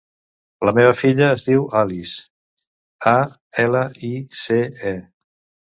La meva filla es diu Alice: a, ela, i, ce, e.